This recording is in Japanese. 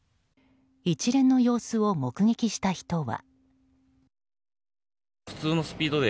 一連の様子を目撃した人は。